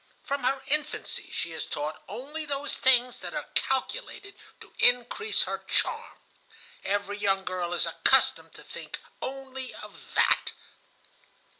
From her infancy she is taught only those things that are calculated to increase her charm. Every young girl is accustomed to think only of that.